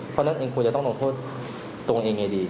เพราะฉะนั้นเองควรจะต้องลงโทษตัวเองไงดี